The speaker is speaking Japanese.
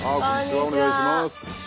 お願いします。